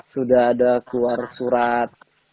sudah ada keluar surat